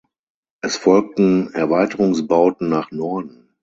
Es folgten Erweiterungsbauten nach Norden.